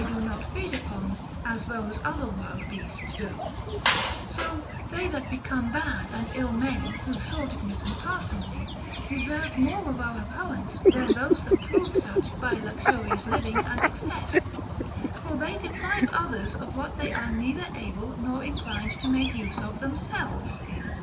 do not feed upon as those other wild beasts do ; so they that become bad and ill men through sordidness and parsi mony deserve more of our abhorrence than those that prove such by luxurious living and excess, for they de prive others of what they are neither able nor inclined to make use of themselves.